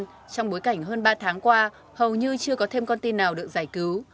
trong bối cảnh hơn ba tháng qua hầu như chưa có thêm con tin nào được giải cứu